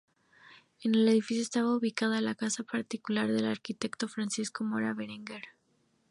En el edificio estaba ubicada la casa particular del arquitecto Francisco Mora Berenguer.